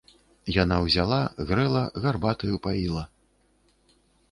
Яна ўзяла, грэла, гарбатаю паіла.